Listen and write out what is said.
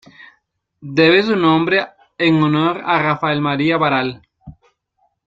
Debe su nombre en honor a Rafael María Baralt.